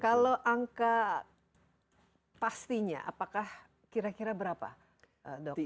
kalau angka pastinya apakah kira kira berapa dok aris